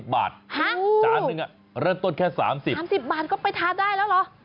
จานหนึ่งเริ่มต้นแค่๓๐๓๐บาทก็ไปทานได้แล้วเหรอ